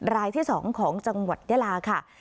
รายที่๒ของจังหวัดยาลาค่ะ